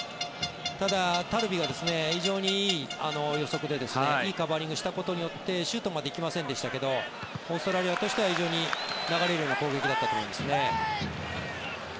ただ、タルビが非常にいい予測でいいカバーリングをしたことによってシュートまでは行きませんでしたけどオーストラリアとしては流れるような攻撃だったと思いますね。